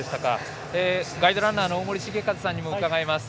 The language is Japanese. ガイドランナーの大森盛一さんにも伺います。